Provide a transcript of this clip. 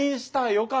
よかった。